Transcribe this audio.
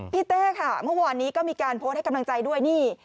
เต้ค่ะเมื่อวานนี้ก็มีการโพสต์ให้กำลังใจด้วยนี่